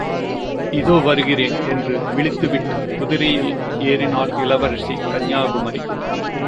இதோ வருகிறேன்! என்று விளித்து விட்டுக் குதிரையில் ஏறினாள் இளவரசி கன்யாகுமரி.